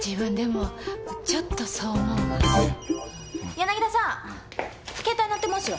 柳田さん携帯鳴ってますよ。